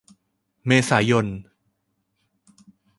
เมษายน